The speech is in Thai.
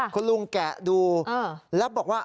คุณลุงแกะดูแล้วบอกว่า